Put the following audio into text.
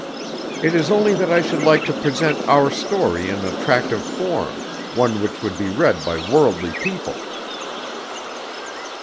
"It is only that I should like to present our story in attractive form one which would be read by worldly people."